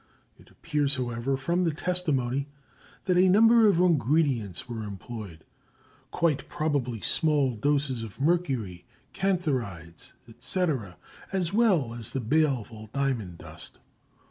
It appears, however, from the testimony, that a number of ingredients were employed, quite probably small doses of mercury, cantharides, etc., as well as the baleful diamond dust.